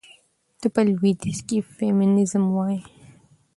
ته په لوىديځ کې فيمينزم وايي.